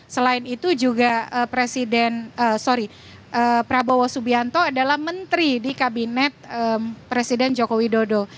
selain itu juga presiden sorry prabowo subianto adalah menteri di kabinet presiden joko widodo